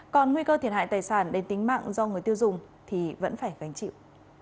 còn nguy cơ thiệt hại tài sản đến tính mạng do người tiêu dùng thì vẫn phải gánh chịu